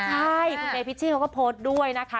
ใช่คุณเมครีชิเค้าก็โพสต์ด้วยค่ะ